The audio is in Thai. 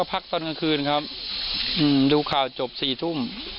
พักตอนกลางคืนครับดูข่าวจบ๔ทุ่ม